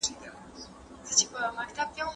زه کولای سم مکتب ته لاړ شم!